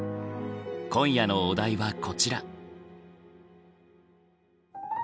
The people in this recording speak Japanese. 今夜のお題はこちら。